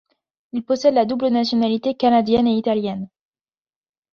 Il possède la double nationalité canadienne et italienne.